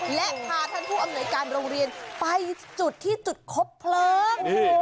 และพาท่านผู้อำนวยการโรงเรียนไปจุดที่จุดคบเพลิง